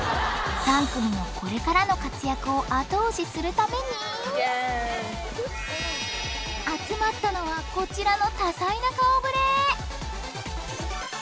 ３組のこれからの活躍を後押しするために集まったのはこちらの多彩な顔ぶれ。